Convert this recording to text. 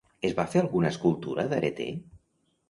Es va fer alguna escultura d'Areté?